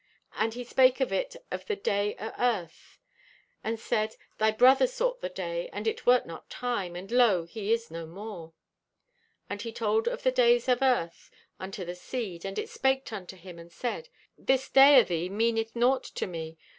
And he spake to it of the Day o' Earth and said: 'Thy brother sought the Day, and it wert not time, and lo, he is no more.' "And he told of the days of Earth unto the seed, and it spaked unto him and said: 'This day o' thee meaneth naught to me.